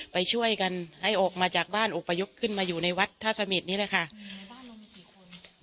ไปช่วยกันให้ออกมาจากบ้านอบพยพขึ้นมาอยู่ในวัดท่าสมิทนี่แหละค่ะบ้านเรามีกี่คน